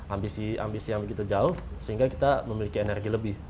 ambisi ambisi yang begitu jauh sehingga kita memiliki energi lebih